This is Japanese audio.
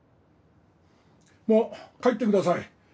もう帰ってください。